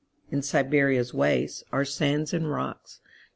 In Siberia's wastesAre sands and rocks.